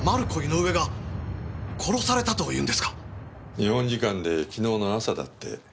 日本時間で昨日の朝だって。